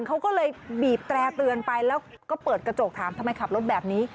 เขาก็เลยบีบแตร่เตือนไปแล้วก็เปิดกระจกถามทำไมขับรถแบบนี้